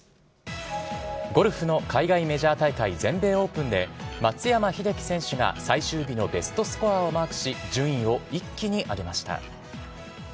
ゴルフの海外メジャー大会、全米オープンで、松山英樹選手が最終日のベストスコアをマークし、順位を一気に上げました。